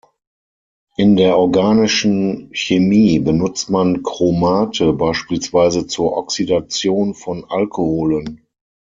In der organischen Chemie benutzt man Chromate beispielsweise zur Oxidation von Alkoholen.